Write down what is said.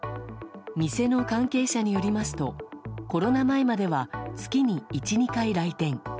店の関係者によりますとコロナ前までは月に１２回来店。